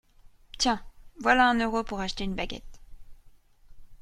Tiens, voilà un euro pour acheter une baguette.